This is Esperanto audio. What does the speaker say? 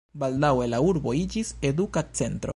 Baldaŭe la urbo iĝis eduka centro.